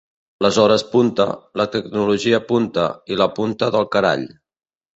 Les hores punta, la tecnologia punta i la punta del carall.